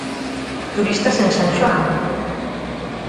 Turistas en San Xoán.